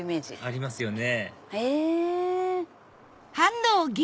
ありますよねへぇ！